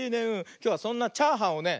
きょうはそんなチャーハンをね